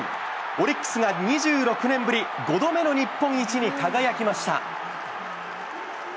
オリックスが２６年ぶり、５度目の日本一に輝きました。